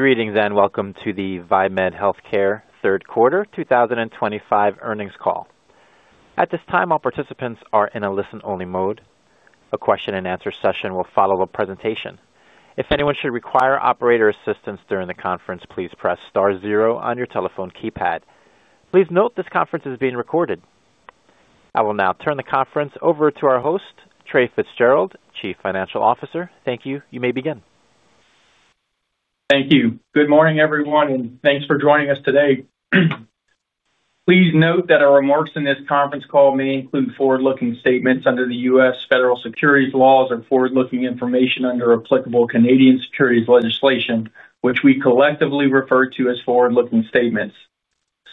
Greetings and welcome to the VieMed Healthcare Third Quarter 2025 Earnings Call. At this time, all participants are in a listen-only mode. A question-and-answer session will follow a presentation. If anyone should require operator assistance during the conference, please press star zero on your telephone keypad. Please note this conference is being recorded. I will now turn the conference over to our host, Trae Fitzgerald, Chief Financial Officer. Thank you. You may begin. Thank you. Good morning, everyone, and thanks for joining us today. Please note that our remarks in this conference call may include forward-looking statements under the U.S. federal securities laws and forward-looking information under applicable Canadian securities legislation, which we collectively refer to as forward-looking statements.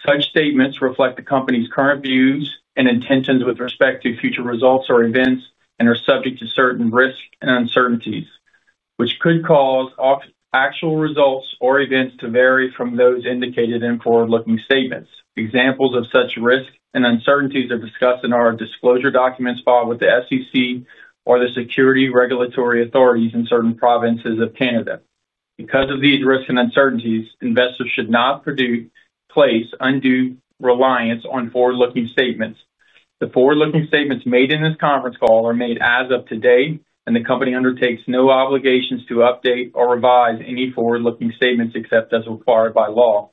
Such statements reflect the company's current views and intentions with respect to future results or events and are subject to certain risks and uncertainties, which could cause actual results or events to vary from those indicated in forward-looking statements. Examples of such risks and uncertainties are discussed in our disclosure documents filed with the SEC or the security regulatory authorities in certain provinces of Canada. Because of these risks and uncertainties, investors should not place undue reliance on forward-looking statements. The forward-looking statements made in this conference call are made as of today, and the company undertakes no obligations to update or revise any forward-looking statements except as required by law.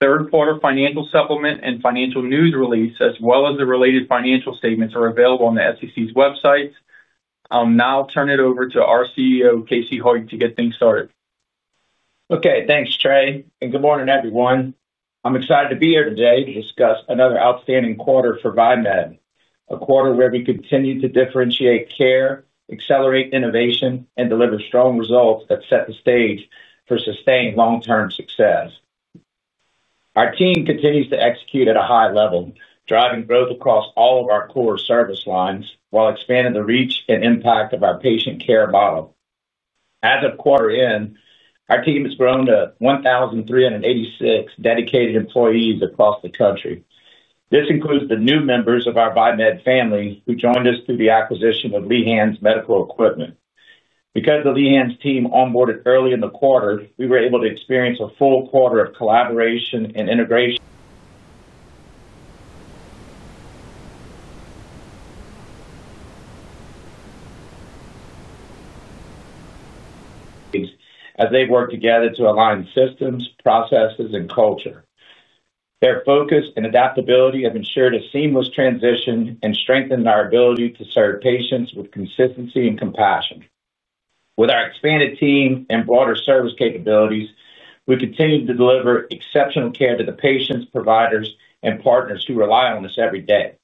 Third quarter financial supplement and financial news release, as well as the related financial statements, are available on the SEC's websites. I'll now turn it over to our CEO, Casey Hoyt, to get things started. Okay. Thanks, Trae. Good morning, everyone. I'm excited to be here today to discuss another outstanding quarter for VieMed, a quarter where we continue to differentiate care, accelerate innovation, and deliver strong results that set the stage for sustained long-term success. Our team continues to execute at a high level, driving growth across all of our core service lines while expanding the reach and impact of our patient care model. As of quarter end, our team has grown to 1,386 dedicated employees across the country. This includes the new members of our VieMed family who joined us through the acquisition of Lehans Medical Equipment. Because the Lehans team onboarded early in the quarter, we were able to experience a full quarter of collaboration and integration as they work together to align systems, processes, and culture. Their focus and adaptability have ensured a seamless transition and strengthened our ability to serve patients with consistency and compassion. With our expanded team and broader service capabilities, we continue to deliver exceptional care to the patients, providers, and partners who rely on us every day.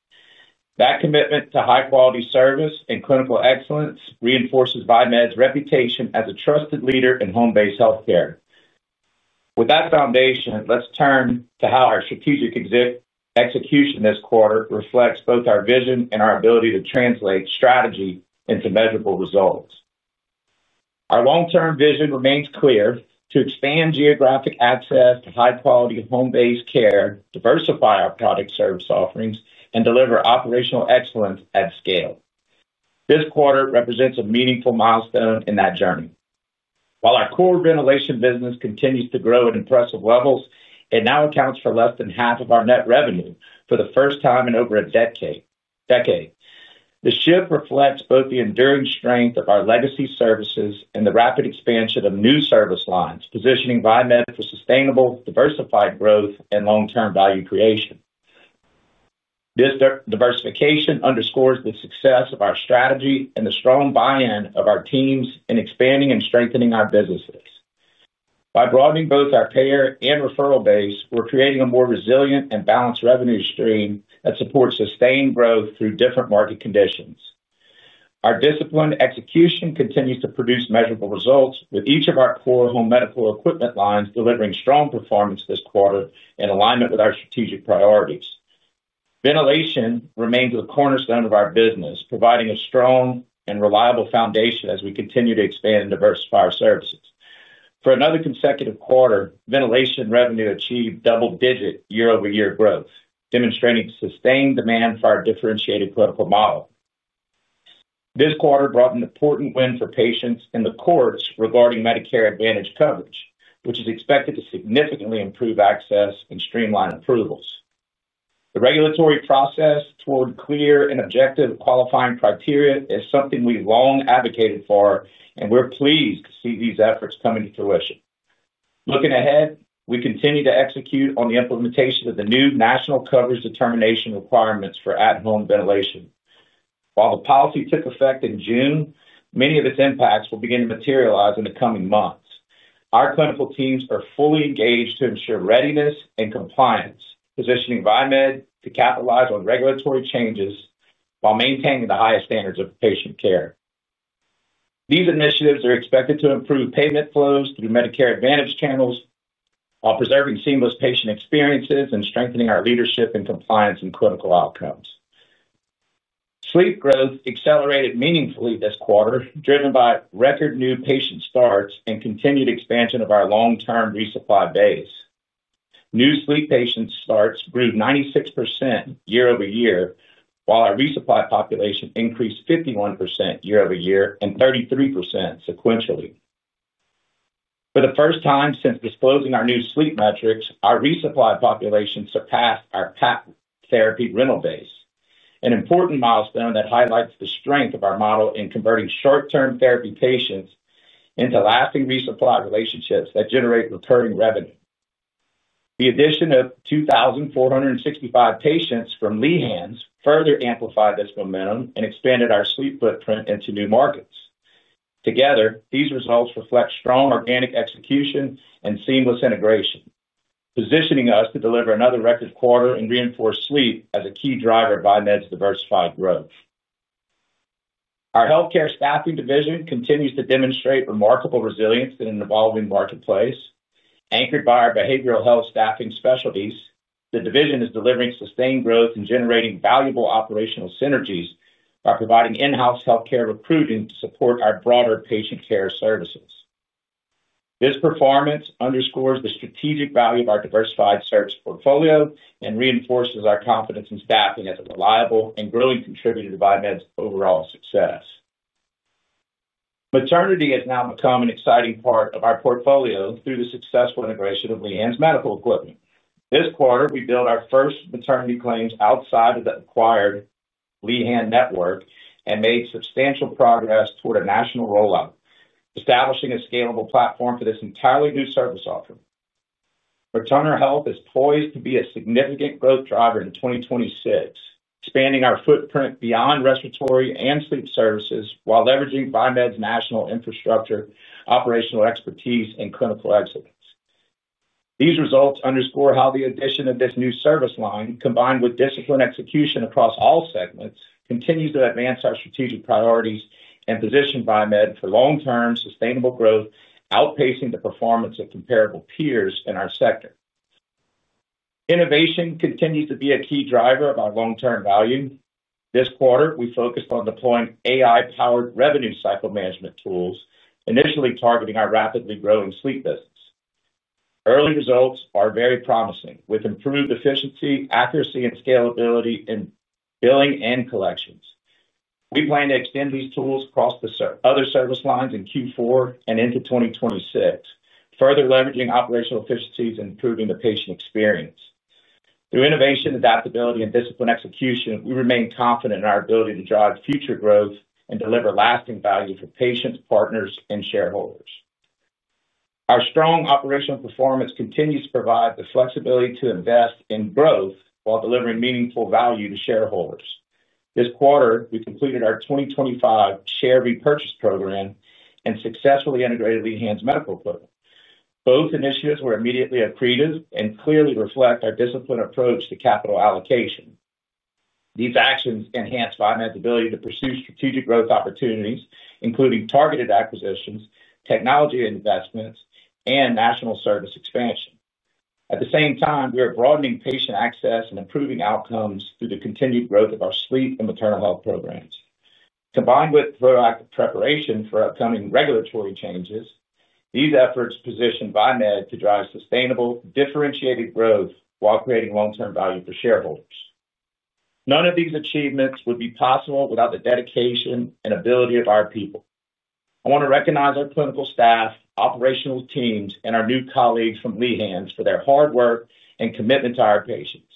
That commitment to high-quality service and clinical excellence reinforces VieMed's reputation as a trusted leader in home-based healthcare. With that foundation, let's turn to how our strategic execution this quarter reflects both our vision and our ability to translate strategy into measurable results. Our long-term vision remains clear: to expand geographic access to high-quality home-based care, diversify our product service offerings, and deliver operational excellence at scale. This quarter represents a meaningful milestone in that journey. While our core ventilation business continues to grow at impressive levels, it now accounts for less than half of our net revenue for the first time in over a decade. The shift reflects both the enduring strength of our legacy services and the rapid expansion of new service lines, positioning VieMed for sustainable, diversified growth and long-term value creation. This diversification underscores the success of our strategy and the strong buy-in of our teams in expanding and strengthening our businesses. By broadening both our payer and referral base, we're creating a more resilient and balanced revenue stream that supports sustained growth through different market conditions. Our disciplined execution continues to produce measurable results, with each of our core home medical equipment lines delivering strong performance this quarter in alignment with our strategic priorities. Ventilation remains the cornerstone of our business, providing a strong and reliable foundation as we continue to expand and diversify our services. For another consecutive quarter, ventilation revenue achieved double-digit year-over-year growth, demonstrating sustained demand for our differentiated clinical model. This quarter brought an important win for patients and the courts regarding Medicare Advantage coverage, which is expected to significantly improve access and streamline approvals. The regulatory process toward clear and objective qualifying criteria is something we've long advocated for, and we're pleased to see these efforts coming to fruition. Looking ahead, we continue to execute on the implementation of the new National Coverage Determination requirements for at-home ventilation. While the policy took effect in June, many of its impacts will begin to materialize in the coming months. Our clinical teams are fully engaged to ensure readiness and compliance, positioning Viemed to capitalize on regulatory changes while maintaining the highest standards of patient care. These initiatives are expected to improve payment flows through Medicare Advantage channels while preserving seamless patient experiences and strengthening our leadership and compliance in clinical outcomes. Sleep growth accelerated meaningfully this quarter, driven by record new patient starts and continued expansion of our long-term resupply base. New sleep patient starts grew 96% year-over-year, while our resupply population increased 51% year-over-year and 33% sequentially. For the first time since disclosing our new sleep metrics, our resupply population surpassed our PAP therapy rental base, an important milestone that highlights the strength of our model in converting short-term therapy patients into lasting resupply relationships that generate recurring revenue. The addition of 2,465 patients from Lehans further amplified this momentum and expanded our sleep footprint into new markets. Together, these results reflect strong organic execution and seamless integration, positioning us to deliver another record quarter and reinforce sleep as a key driver of Viemed's diversified growth. Our healthcare staffing division continues to demonstrate remarkable resilience in an evolving marketplace. Anchored by our behavioral health staffing specialties, the division is delivering sustained growth and generating valuable operational synergies by providing in-house healthcare recruiting to support our broader patient care services. This performance underscores the strategic value of our diversified service portfolio and reinforces our confidence in staffing as a reliable and growing contributor to Viemed's overall success. Maternity has now become an exciting part of our portfolio through the successful integration of Lehans Medical Equipment. This quarter, we built our first maternity claims outside of the acquired Lehans network and made substantial progress toward a national rollout, establishing a scalable platform for this entirely new service offering. Maternal health is poised to be a significant growth driver in 2026, expanding our footprint beyond respiratory and sleep services while leveraging Viemed's national infrastructure, operational expertise, and clinical excellence. These results underscore how the addition of this new service line, combined with discipline execution across all segments, continues to advance our strategic priorities and position VieMed for long-term sustainable growth, outpacing the performance of comparable peers in our sector. Innovation continues to be a key driver of our long-term value. This quarter, we focused on deploying AI-powered revenue cycle management tools, initially targeting our rapidly growing sleep business. Early results are very promising, with improved efficiency, accuracy, and scalability in billing and collections. We plan to extend these tools across other service lines in Q4 and into 2026, further leveraging operational efficiencies and improving the patient experience. Through innovation, adaptability, and disciplined execution, we remain confident in our ability to drive future growth and deliver lasting value for patients, partners, and shareholders. Our strong operational performance continues to provide the flexibility to invest in growth while delivering meaningful value to shareholders. This quarter, we completed our 2025 share repurchase program and successfully integrated Lehans Medical Equipment. Both initiatives were immediately accretive and clearly reflect our disciplined approach to capital allocation. These actions enhance Viemed's ability to pursue strategic growth opportunities, including targeted acquisitions, technology investments, and national service expansion. At the same time, we are broadening patient access and improving outcomes through the continued growth of our sleep and maternal health programs. Combined with proactive preparation for upcoming regulatory changes, these efforts position Viemed to drive sustainable, differentiated growth while creating long-term value for shareholders. None of these achievements would be possible without the dedication and ability of our people. I want to recognize our clinical staff, operational teams, and our new colleagues from Lehans for their hard work and commitment to our patients.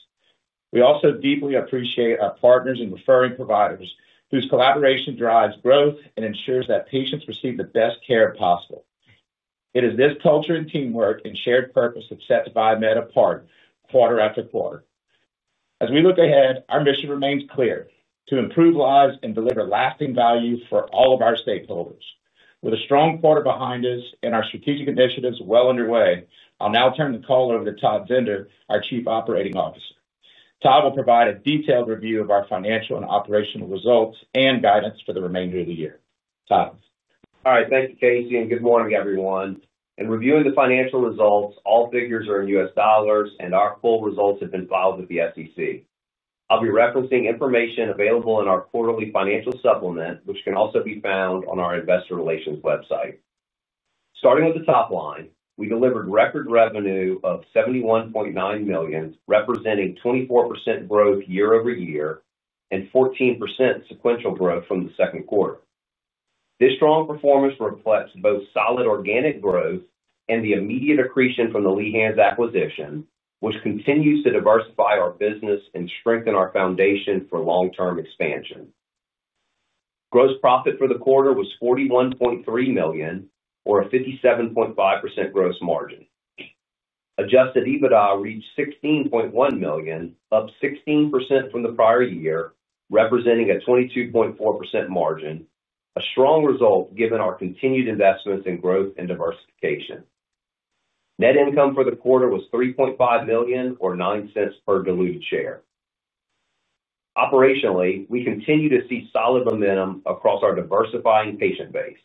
We also deeply appreciate our partners and referring providers whose collaboration drives growth and ensures that patients receive the best care possible. It is this culture and teamwork and shared purpose that sets Viemed apart, quarter after quarter. As we look ahead, our mission remains clear: to improve lives and deliver lasting value for all of our stakeholders. With a strong quarter behind us and our strategic initiatives well underway, I'll now turn the call over to Todd Zehnder, our Chief Operating Officer. Todd will provide a detailed review of our financial and operational results and guidance for the remainder of the year. Todd. All right. Thank you, Casey. And good morning, everyone. In reviewing the financial results, all figures are in U.S. dollars, and our full results have been filed with the SEC. I'll be referencing information available in our quarterly financial supplement, which can also be found on our investor relations website. Starting with the top line, we delivered record revenue of $71.9 million, representing 24% growth year-over-year and 14% sequential growth from the second quarter. This strong performance reflects both solid organic growth and the immediate accretion from the Lehans acquisition, which continues to diversify our business and strengthen our foundation for long-term expansion. Gross profit for the quarter was $41.3 million, or a 57.5% gross margin. Adjusted EBITDA reached $16.1 million, up 16% from the prior year, representing a 22.4% margin, a strong result given our continued investments in growth and diversification. Net income for the quarter was $3.5 million, or $0.09 per diluted share. Operationally, we continue to see solid momentum across our diversifying patient base.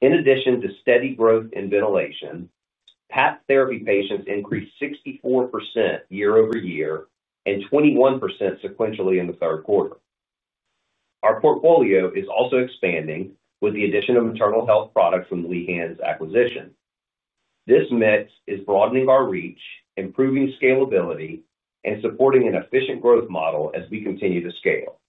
In addition to steady growth in ventilation, PAP therapy patients increased 64% year-over-year and 21% sequentially in the third quarter. Our portfolio is also expanding with the addition of maternal health products from Lehans acquisition. This mix is broadening our reach, improving scalability, and supporting an efficient growth model as we continue to scale.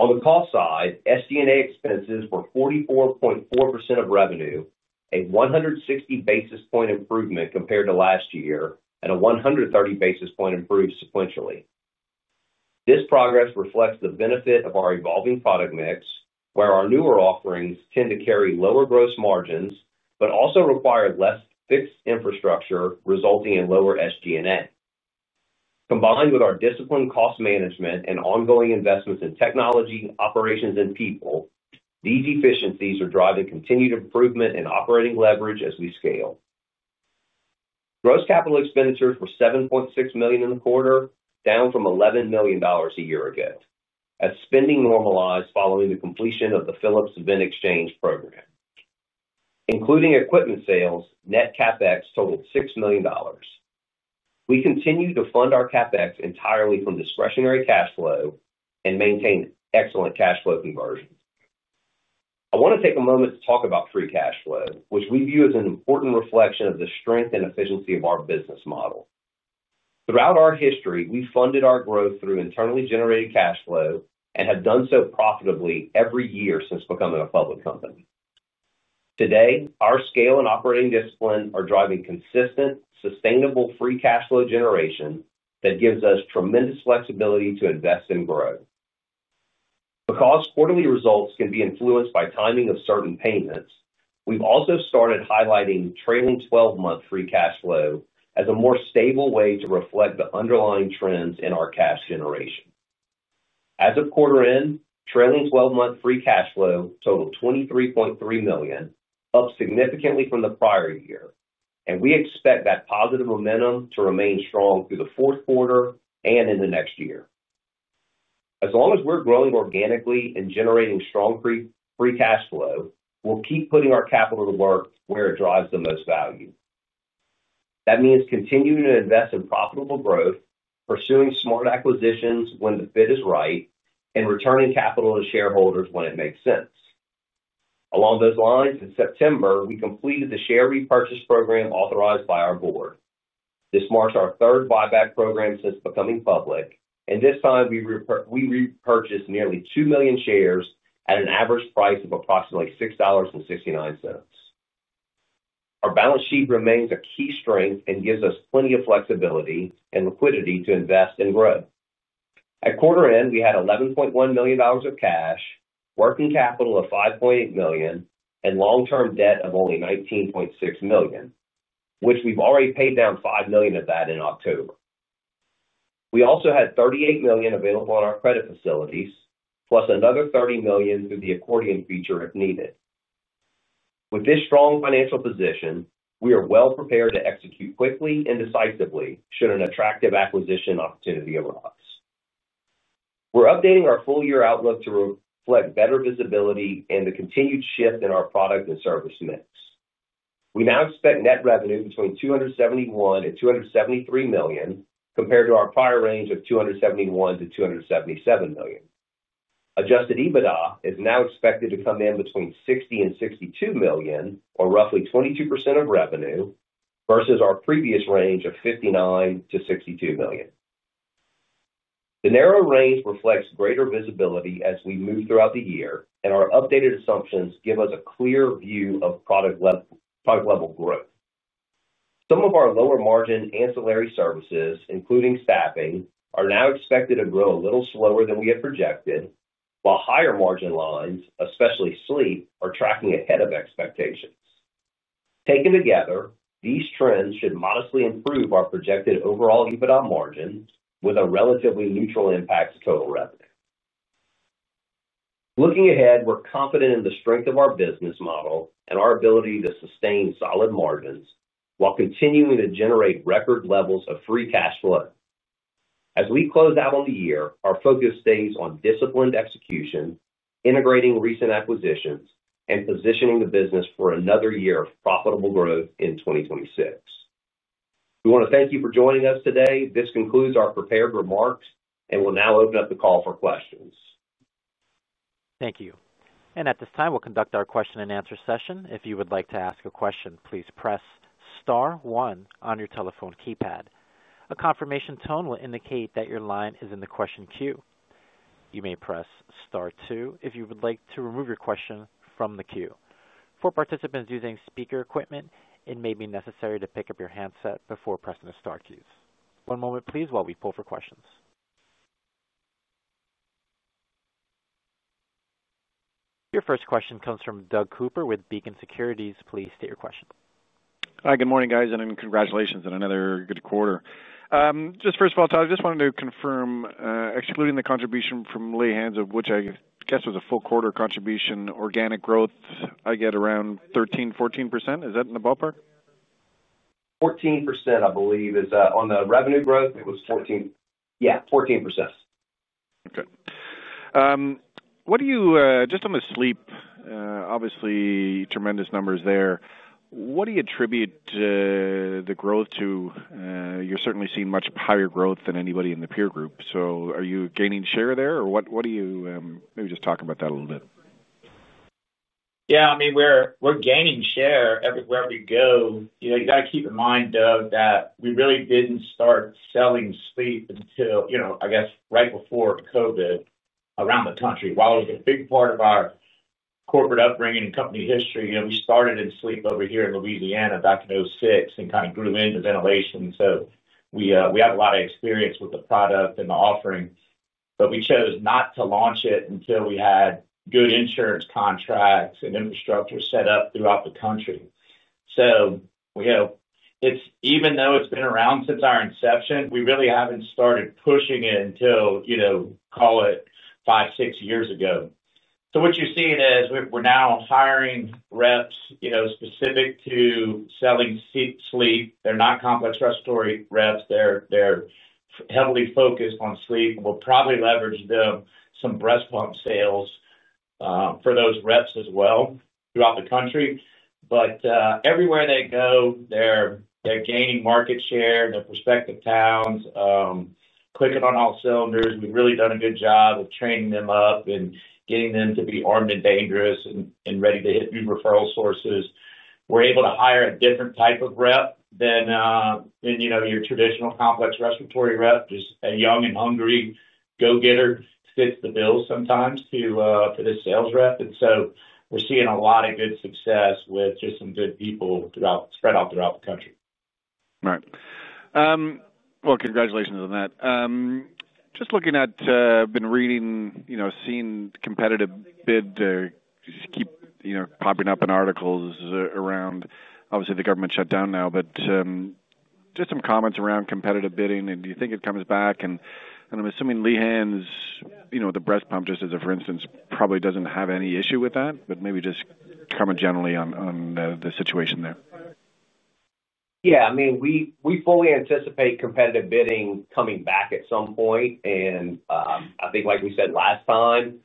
On the cost side, SG&A expenses were 44.4% of revenue, a 160 basis point improvement compared to last year, and a 130 basis point improvement sequentially. This progress reflects the benefit of our evolving product mix, where our newer offerings tend to carry lower gross margins but also require less fixed infrastructure, resulting in lower SG&A. Combined with our disciplined cost management and ongoing investments in technology, operations, and people, these efficiencies are driving continued improvement and operating leverage as we scale. Gross capital expenditures were $7.6 million in the quarter, down from $11 million a year ago, as spending normalized following the completion of the Philips VIN exchange program. Including equipment sales, net CapEx totaled $6 million. We continue to fund our CapEx entirely from discretionary cash flow and maintain excellent cash flow conversions. I want to take a moment to talk about free cash flow, which we view as an important reflection of the strength and efficiency of our business model. Throughout our history, we've funded our growth through internally generated cash flow and have done so profitably every year since becoming a public company. Today, our scale and operating discipline are driving consistent, sustainable free cash flow generation that gives us tremendous flexibility to invest and grow. Because quarterly results can be influenced by timing of certain payments, we've also started highlighting trailing 12-month free cash flow as a more stable way to reflect the underlying trends in our cash generation. As of quarter end, trailing 12-month free cash flow totaled $23.3 million, up significantly from the prior year, and we expect that positive momentum to remain strong through the fourth quarter and into next year. As long as we're growing organically and generating strong free cash flow, we'll keep putting our capital to work where it drives the most value. That means continuing to invest in profitable growth, pursuing smart acquisitions when the fit is right, and returning capital to shareholders when it makes sense. Along those lines, in September, we completed the share repurchase program authorized by our board. This marks our third buyback program since becoming public, and this time, we repurchased nearly 2 million shares at an average price of approximately $6.69. Our balance sheet remains a key strength and gives us plenty of flexibility and liquidity to invest and grow. At quarter end, we had $11.1 million of cash, working capital of $5.8 million, and long-term debt of only $19.6 million, which we've already paid down $5 million of that in October. We also had $38 million available on our credit facilities, plus another $30 million through the accordion feature if needed. With this strong financial position, we are well prepared to execute quickly and decisively should an attractive acquisition opportunity arise. We're updating our full-year outlook to reflect better visibility and the continued shift in our product and service mix. We now expect net revenue between $271 million and $273 million compared to our prior range of $271 million to $277 million. Adjusted EBITDA is now expected to come in between $60 million and $62 million, or roughly 22% of revenue, versus our previous range of $59 million to $62 million. The narrow range reflects greater visibility as we move throughout the year, and our updated assumptions give us a clear view of product-level growth. Some of our lower-margin ancillary services, including staffing, are now expected to grow a little slower than we had projected, while higher-margin lines, especially sleep, are tracking ahead of expectations. Taken together, these trends should modestly improve our projected overall EBITDA margin with a relatively neutral impact to total revenue. Looking ahead, we're confident in the strength of our business model and our ability to sustain solid margins while continuing to generate record levels of free cash flow. As we close out on the year, our focus stays on disciplined execution, integrating recent acquisitions, and positioning the business for another year of profitable growth in 2026. We want to thank you for joining us today. This concludes our prepared remarks, and we'll now open up the call for questions. Thank you. At this time, we'll conduct our question-and-answer session. If you would like to ask a question, please press Star one on your telephone keypad. A confirmation tone will indicate that your line is in the question queue. You may press Star two if you would like to remove your question from the queue. For participants using speaker equipment, it may be necessary to pick up your handset before pressing the Star keys. One moment, please, while we pull for questions. Your first question comes from Doug Cooper with Beacon Securities. Please state your question. Hi. Good morning, guys. Congratulations on another good quarter. First of all, Todd, I just wanted to confirm, excluding the contribution from Lehans, of which I guess was a full quarter contribution, organic growth, I get around 13-14%. Is that in the ballpark? 14%, I believe, is on the revenue growth, it was 14. Yeah, 14%. Okay. What do you just on the sleep, obviously, tremendous numbers there. What do you attribute the growth to? You're certainly seeing much higher growth than anybody in the peer group. Are you gaining share there, or what are you maybe just talk about that a little bit? Yeah. I mean, we're gaining share everywhere we go. You've got to keep in mind, Doug, that we really didn't start selling sleep until, I guess, right before COVID around the country. While it was a big part of our corporate upbringing and company history, we started in sleep over here in Louisiana back in 2006 and kind of grew into ventilation. So we have a lot of experience with the product and the offering, but we chose not to launch it until we had good insurance contracts and infrastructure set up throughout the country. Even though it's been around since our inception, we really haven't started pushing it until, call it, five, six years ago. What you're seeing is we're now hiring reps specific to selling sleep. They're not complex respiratory reps. They're heavily focused on sleep. We'll probably leverage them, some breast pump sales. For those reps as well throughout the country. Everywhere they go, they're gaining market share in their prospective towns. Clicking on all cylinders. We've really done a good job of training them up and getting them to be armed and dangerous and ready to hit new referral sources. We're able to hire a different type of rep than your traditional complex respiratory rep, just a young and hungry go-getter fits the bill sometimes for this sales rep. We're seeing a lot of good success with just some good people spread out throughout the country. All right. Congratulations on that. Just looking at, been reading, seeing competitive bidding keep popping up in articles around, obviously, the government shutdown now. Just some comments around competitive bidding. Do you think it comes back? I'm assuming Lehans, the breast pump, just as a for instance, probably does not have any issue with that, but maybe just comment generally on the situation there. Yeah. I mean, we fully anticipate competitive bidding coming back at some point. I think, like we said last time,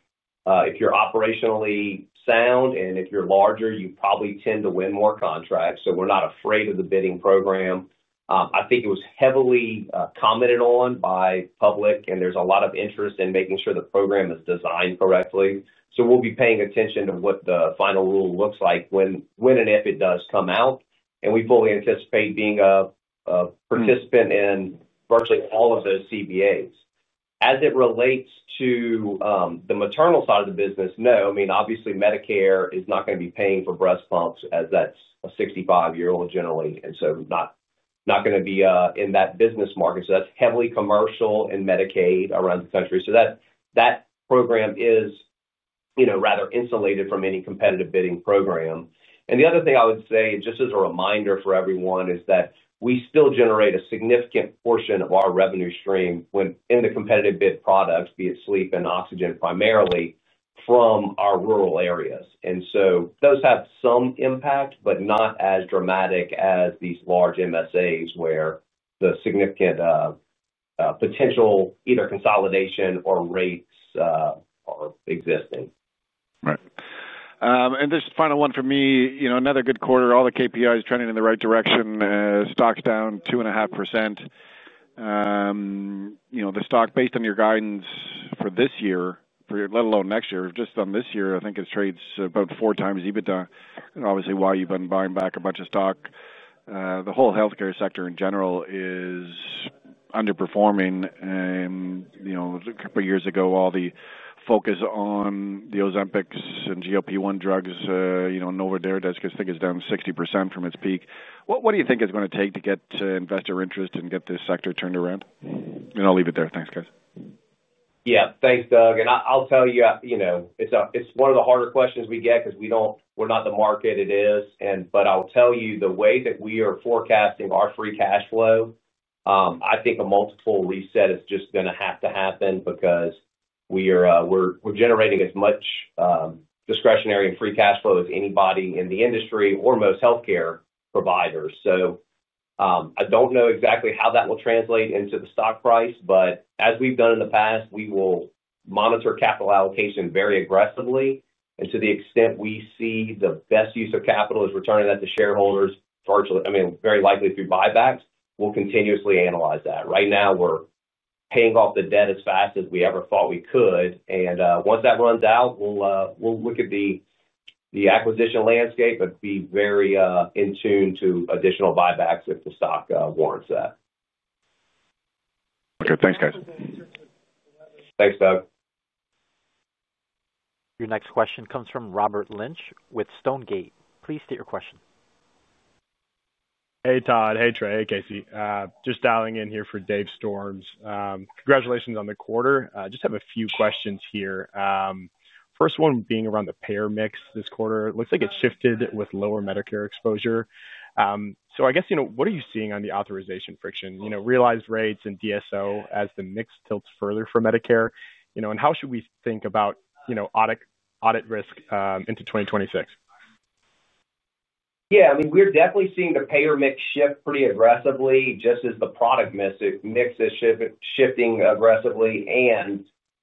if you're operationally sound and if you're larger, you probably tend to win more contracts. We're not afraid of the bidding program. I think it was heavily commented on by public, and there's a lot of interest in making sure the program is designed correctly. We'll be paying attention to what the final rule looks like when and if it does come out. We fully anticipate being a participant in virtually all of those CBAs. As it relates to the maternal side of the business, no. I mean, obviously, Medicare is not going to be paying for breast pumps as that's a 65-year-old generally, and so not going to be in that business market. That's heavily commercial and Medicaid around the country. That program is rather insulated from any competitive bidding program. The other thing I would say, just as a reminder for everyone, is that we still generate a significant portion of our revenue stream in the competitive bid products, be it sleep and oxygen primarily, from our rural areas. Those have some impact, but not as dramatic as these large MSAs where the significant potential either consolidation or rates are existing. Right. And this final one for me, another good quarter. All the KPIs trending in the right direction. Stock's down 2.5%. The stock, based on your guidance for this year, let alone next year, just on this year, I think it trades about four times EBITDA. Obviously, while you've been buying back a bunch of stock. The whole healthcare sector in general is underperforming. And a couple of years ago, all the focus on the Ozempics and GLP-1 drugs and Novo Nordisk, I think, is down 60% from its peak. What do you think it's going to take to get investor interest and get this sector turned around? I'll leave it there. Thanks, guys. Yeah. Thanks, Doug. I'll tell you, it's one of the harder questions we get because we're not the market it is. I'll tell you, the way that we are forecasting our free cash flow, I think a multiple reset is just going to have to happen because we're generating as much discretionary and free cash flow as anybody in the industry or most healthcare providers. I don't know exactly how that will translate into the stock price, but as we've done in the past, we will monitor capital allocation very aggressively. To the extent we see the best use of capital is returning that to shareholders, I mean, very likely through buybacks, we'll continuously analyze that. Right now, we're paying off the debt as fast as we ever thought we could. Once that runs out, we'll look at the. Acquisition landscape, but be very in tune to additional buybacks if the stock warrants that. Okay. Thanks, guys. Thanks, Doug. Your next question comes from Robert Lynch with StoneGate. Please state your question. Hey, Todd. Hey, Trae. Hey, Casey. Just dialing in here for Dave Storms. Congratulations on the quarter. Just have a few questions here. First one being around the payer mix this quarter. It looks like it shifted with lower Medicare exposure. I guess, what are you seeing on the authorization friction, realized rates and DSO as the mix tilts further for Medicare? How should we think about audit risk into 2026? Yeah. I mean, we're definitely seeing the payer mix shift pretty aggressively, just as the product mix is shifting aggressively.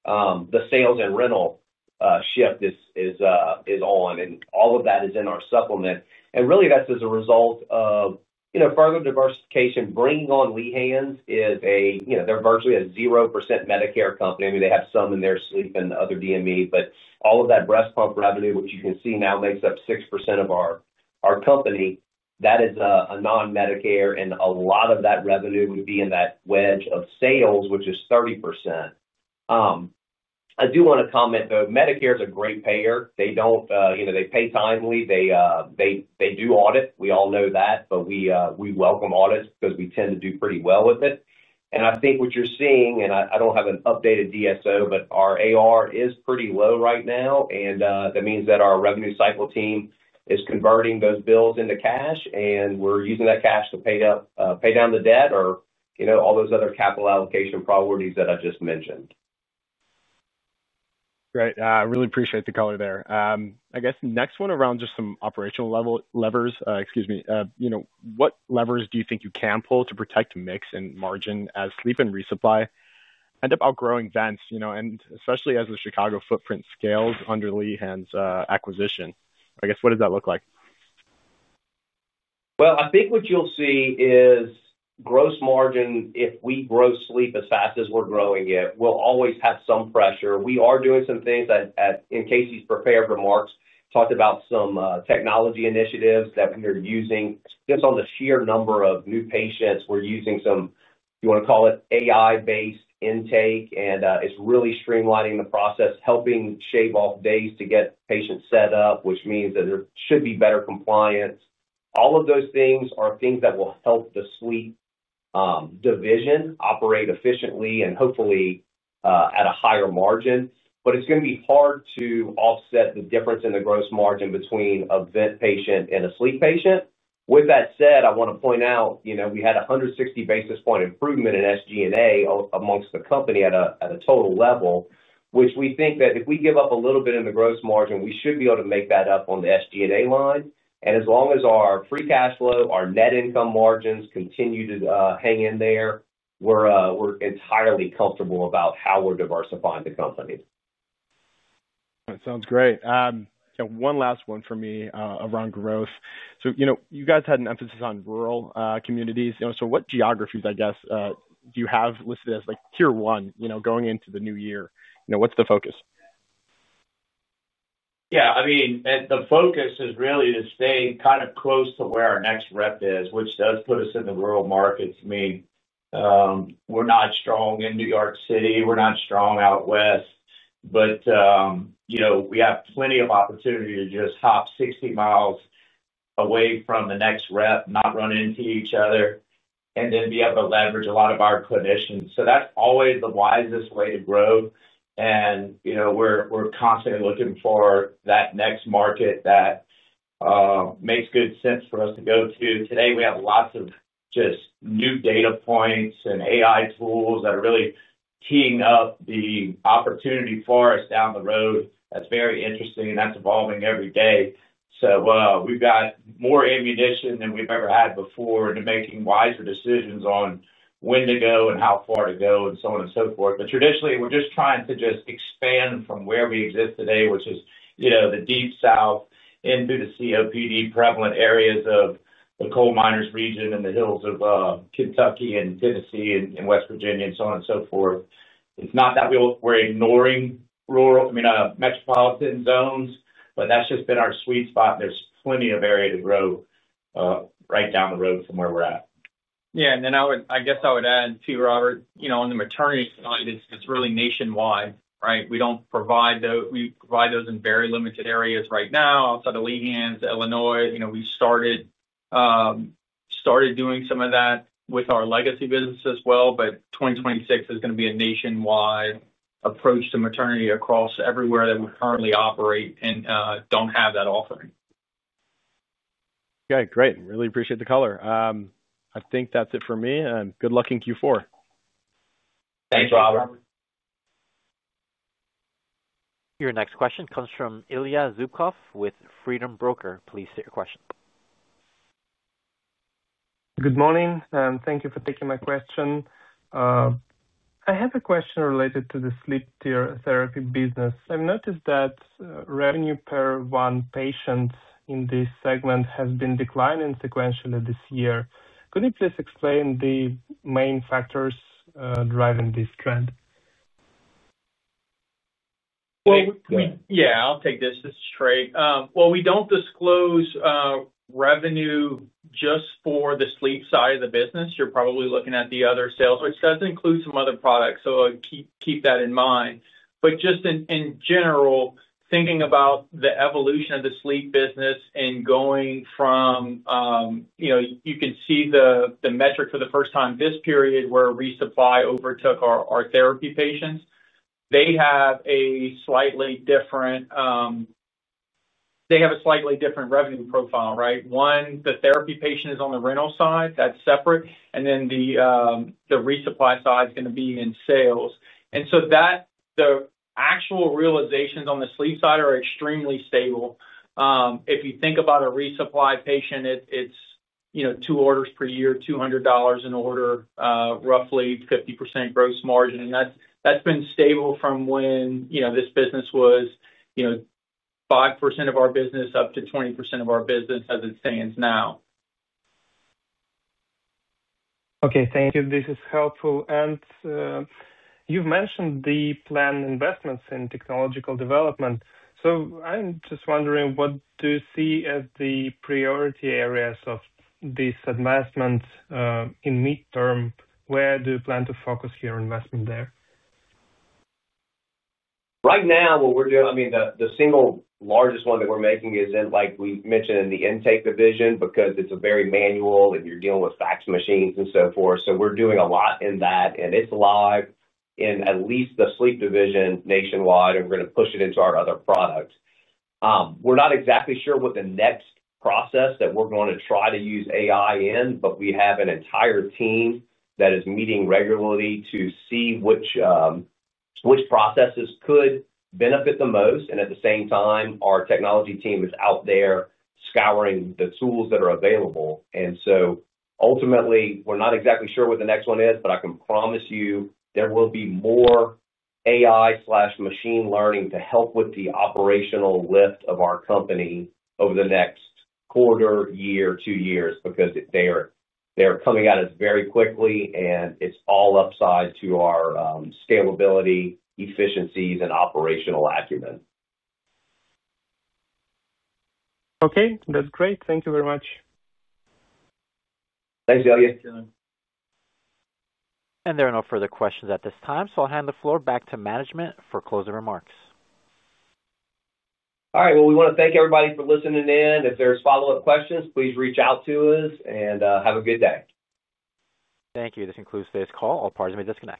The sales and rental shift is on. All of that is in our supplement. Really, that's as a result of further diversification. Bringing on Lehans is a, they're virtually a 0% Medicare company. I mean, they have some in their sleep and other DME. All of that breast pump revenue, which you can see now makes up 6% of our company, that is a non-Medicare. A lot of that revenue would be in that wedge of sales, which is 30%. I do want to comment, though, Medicare is a great payer. They pay timely. They do audit. We all know that, but we welcome audits because we tend to do pretty well with it. I think what you're seeing, and I don't have an updated DSO, but our AR is pretty low right now. That means that our revenue cycle team is converting those bills into cash. We're using that cash to pay down the debt or all those other capital allocation priorities that I just mentioned. Great. I really appreciate the color there. I guess next one around just some operational levers. Excuse me. What levers do you think you can pull to protect mix and margin as sleep and resupply end up outgrowing vents, and especially as the Chicago footprint scales under Lehans' acquisition? I guess, what does that look like? I think what you'll see is, gross margin, if we grow sleep as fast as we're growing it, will always have some pressure. We are doing some things that, in Casey's prepared remarks, talked about some technology initiatives that we are using. Just on the sheer number of new patients, we're using some, you want to call it AI-based intake. And it's really streamlining the process, helping shave off days to get patients set up, which means that there should be better compliance. All of those things are things that will help the sleep division operate efficiently and hopefully at a higher margin. It is going to be hard to offset the difference in the gross margin between a vent patient and a sleep patient. With that said, I want to point out we had a 160 basis point improvement in SG&A amongst the company at a total level, which we think that if we give up a little bit in the gross margin, we should be able to make that up on the SG&A line. As long as our free cash flow, our net income margins continue to hang in there, we're entirely comfortable about how we're diversifying the company. That sounds great. One last one for me around growth. So you guys had an emphasis on rural communities. What geographies, I guess, do you have listed as tier one going into the new year? What's the focus? Yeah. I mean, the focus is really to stay kind of close to where our next rep is, which does put us in the rural markets. I mean, we're not strong in New York City. We're not strong out west. We have plenty of opportunity to just hop 60 mi away from the next rep, not run into each other, and then be able to leverage a lot of our clinicians. That's always the wisest way to grow. We're constantly looking for that next market that makes good sense for us to go to. Today, we have lots of just new data points and AI tools that are really teeing up the opportunity for us down the road. That's very interesting. That's evolving every day. We've got more ammunition than we've ever had before to making wiser decisions on when to go and how far to go and so on and so forth. Traditionally, we're just trying to just expand from where we exist today, which is the Deep South into the COPD prevalent areas of the coal miners' region and the hills of Kentucky and Tennessee and West Virginia and so on and so forth. It's not that we're ignoring rural, I mean, metropolitan zones, but that's just been our sweet spot. There's plenty of area to grow right down the road from where we're at. Yeah. I guess I would add too, Robert, on the maternity side, it's really nationwide, right? We don't provide those. We provide those in very limited areas right now, outside of Lehans, Illinois. We started. Doing some of that with our legacy business as well. 2026 is going to be a nationwide approach to maternity across everywhere that we currently operate and do not have that offering. Okay. Great. Really appreciate the color. I think that's it for me. Good luck in Q4. Thanks, Robert. Your next question comes from Ilya Zubkov with Freedom Broker. Please state your question. Good morning. Thank you for taking my question. I have a question related to the sleep therapy business. I've noticed that revenue per one patient in this segment has been declining sequentially this year. Could you please explain the main factors driving this trend? Yeah, I'll take this straight. We don't disclose revenue just for the sleep side of the business. You're probably looking at the other sales, which does include some other products, so keep that in mind. Just in general, thinking about the evolution of the sleep business and going from, you can see the metric for the first time this period where resupply overtook our therapy patients. They have a slightly different revenue profile, right? One, the therapy patient is on the rental side, that's separate, and then the resupply side is going to be in sales. The actual realizations on the sleep side are extremely stable. If you think about a resupply patient, it's two orders per year, $200 an order, roughly 50% gross margin, and that's been stable from when this business was. 5% of our business up to 20% of our business as it stands now. Okay. Thank you. This is helpful. You've mentioned the planned investments in technological development. I'm just wondering, what do you see as the priority areas of this advancement? In midterm, where do you plan to focus your investment there? Right now, what we're doing, I mean, the single largest one that we're making is, like we mentioned, in the intake division because it's a very manual and you're dealing with fax machines and so forth. We are doing a lot in that. It is live in at least the sleep division nationwide. We are going to push it into our other products. We are not exactly sure what the next process that we are going to try to use AI in, but we have an entire team that is meeting regularly to see which processes could benefit the most. At the same time, our technology team is out there scouring the tools that are available. Ultimately, we are not exactly sure what the next one is, but I can promise you there will be more. AI/machine learning to help with the operational lift of our company over the next quarter, year, two years because they're coming at us very quickly. It is all upside to our scalability, efficiencies, and operational acumen. Okay. That's great. Thank you very much. Thanks, Elliot. There are no further questions at this time. I'll hand the floor back to management for closing remarks. All right. We want to thank everybody for listening in. If there are follow-up questions, please reach out to us. Have a good day. Thank you. This concludes today's call. All parties made this call.